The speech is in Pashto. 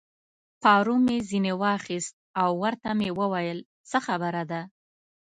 پارو مې ځینې واخیست او ورته مې وویل: څه خبره ده؟